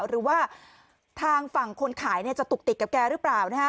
หรือว่าทางฝั่งคนขายจะตุกติดกับแกหรือเปล่านะฮะ